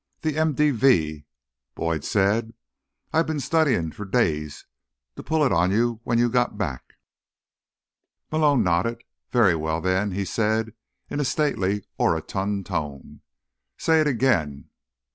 "The MVD," Boyd said. "I've been studying for days to pull it on you when you got back." Malone nodded. "Very well, then," he said in a stately, orotund tone. "Say it again."